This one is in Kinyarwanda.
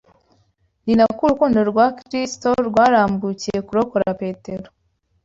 ni na ko urukundo rwa Kristo rwarambukiye kurokora Petero